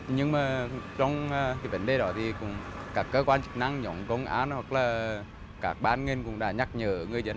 nhưng mà trong cái vấn đề đó thì các cơ quan chức năng nhóm công an hoặc là các ban ngành cũng đã nhắc nhở người dân